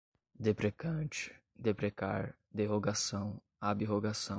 deprecante, deprecar, derrogação, ab-rogação